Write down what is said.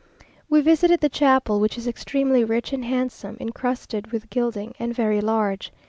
We visited the chapel, which is extremely rich and handsome, incrusted with gilding, and very large.